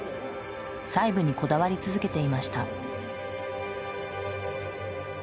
細部にこだわり続けていました。